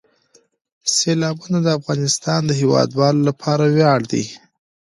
سیلابونه د افغانستان د هیوادوالو لپاره ویاړ دی.